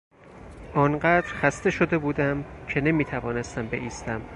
آنقدر خسته شده بودم که نمیتوانستم بایستم.